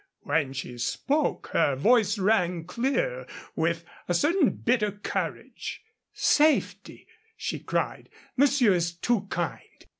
When she spoke, her voice rang clear with a certain bitter courage. "Safety!" she cried. "Monsieur is too kind.